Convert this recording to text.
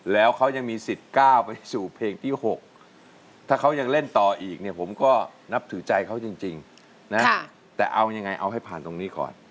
แล้วเขายังมีสิทธิ์ก้าวไปสู่เพลงที่๖ถ้าเขายังเล่นต่ออีกเนี่ยผมก็นับถือใจเขาจริงนะแต่เอายังไงเอาให้ผ่านตรงนี้ก่อน